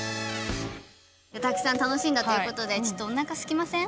たくさん楽しんだということでちょっとお腹すきません？